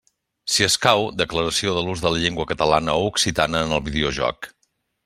Si escau, declaració de l'ús de la llengua catalana o occitana en el videojoc.